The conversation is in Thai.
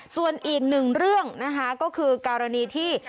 ส่วนอีกหนึ่งเรื่องนะคะก็คือกรณีที่